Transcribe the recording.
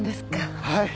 はい。